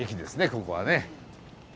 ここはね。